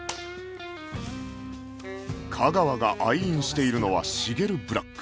架川が愛飲しているのはしげるブラック